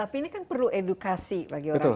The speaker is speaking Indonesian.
tapi ini kan perlu edukasi bagi orang tua